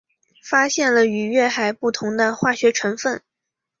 发现了与月海不同的化学成分。